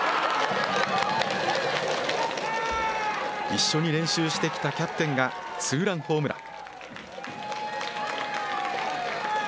一緒に練習してきたキャプテンが、ツーランホームラン。